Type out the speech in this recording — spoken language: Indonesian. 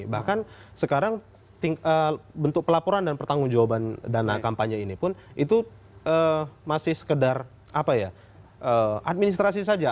bahkan sekarang bentuk pelaporan dan pertanggung jawaban dana kampanye ini pun itu masih sekedar administrasi saja